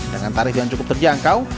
dengan tarif yang cukup terjangkau